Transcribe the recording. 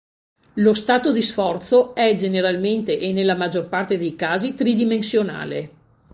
Lo stato di sforzo è generalmente, e nella maggior parte dei casi, tridimensionale.